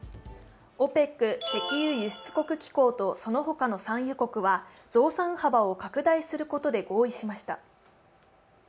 ＯＰＥＣ＝石油輸出国機構とそのほかの産油国は増産幅を拡大することで合意しました。